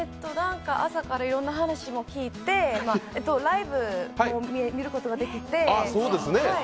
朝からいろんな話も聞いて、ライブも見ることができて。